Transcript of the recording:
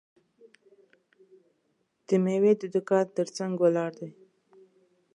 د میوې د دوکان ترڅنګ ولاړ دی.